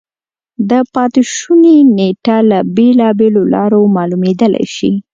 د پاتې شونو نېټه له بېلابېلو لارو معلومېدای شي.